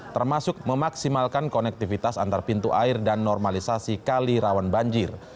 termasuk memaksimalkan konektivitas antar pintu air dan normalisasi kali rawan banjir